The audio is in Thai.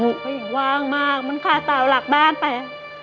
เธอยังวางมากเหมือนคาเตาหลักบ้านไป